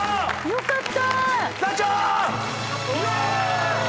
よかった。